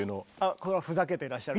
これはふざけてらっしゃる？